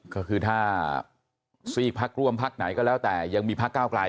ก็คือถ้าซีกพักร่วมพักไหนก็แล้วแต่ยังมีพักเก้าไกล